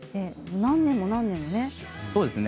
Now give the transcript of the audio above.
何年も何年もね。